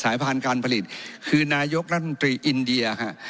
พันธุ์การผลิตคือนายกรัฐมนตรีอินเดียฮะ